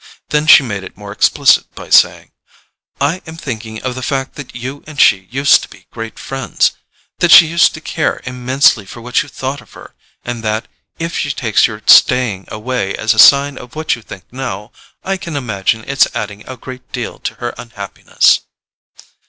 Then she made it more explicit by saying: "I am thinking of the fact that you and she used to be great friends—that she used to care immensely for what you thought of her—and that, if she takes your staying away as a sign of what you think now, I can imagine its adding a great deal to her unhappiness."